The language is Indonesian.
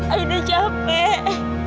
aku udah capek